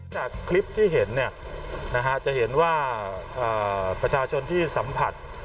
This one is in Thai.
จากคลิปที่เห็นจะเห็นว่าประชาชนที่สัมผัส